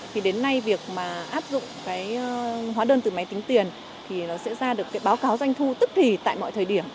thì đến nay việc mà áp dụng cái hóa đơn từ máy tính tiền thì nó sẽ ra được cái báo cáo doanh thu tức thì tại mọi thời điểm